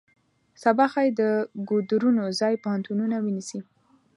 سبا ښایي د ګودرونو ځای پوهنتونونه ونیسي.